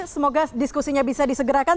semoga diskusinya bisa disegerakan